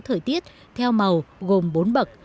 thời tiết theo màu gồm bốn bậc